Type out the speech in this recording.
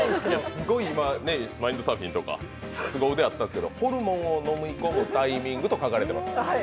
すごい今、マインドサーフィンとか凄腕あったんですけどホルモンを飲み込むタイミングとあります。